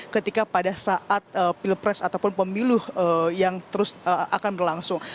ketika pada saat pilpres ataupun pemilu yang terus akan berlangsung